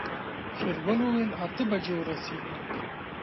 شېرګل وويل اته بجې ورسيږو.